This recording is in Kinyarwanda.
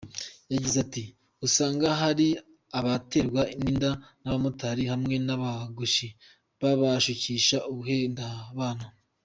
Yagize ati “Usanga hari abaterwa inda n’abamotari hamwe n’abogoshi babashukisha ubuhendabana.